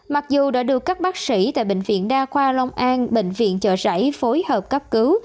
mặc dù đã được các bác sĩ tại bệnh viện đa khoa long an bệnh viện chợ rẫy phối hợp cấp cứu